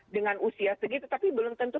dengan usia segitu tapi belum tentu